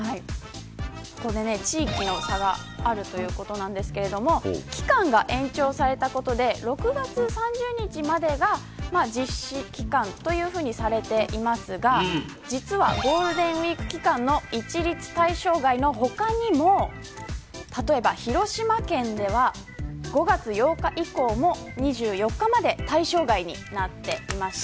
地域の差があるということなんですけど期間が延長されたことで６月３０日までが実施期間というふうにされていますが実はゴールデンウイーク期間の一律対象外の他にも例えば、広島県では５月８日以降も２４日まで対象外になっていまして。